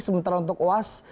sementara untuk oas